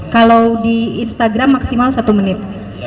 kalau di instagram maksimal satu menit